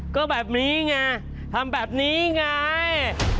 ก็แบบนี้ไงทำแบบนี้ไง